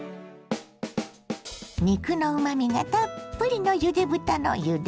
肉のうまみがたっぷりのゆで豚のゆで汁。